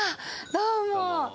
どうも。